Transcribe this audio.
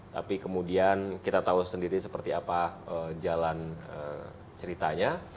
tapi kemudian kita tahu sendiri seperti apa jalan ceritanya